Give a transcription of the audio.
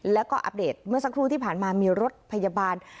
แล้วก็อัปเดตเมื่อสักครู่ที่ผ่านมามีรถพยาบาล